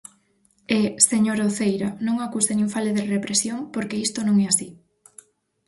E, señora Uceira, non acuse nin fale de represión, porque isto non é así.